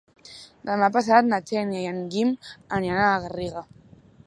Demà passat na Xènia i en Guim aniran a la Garriga.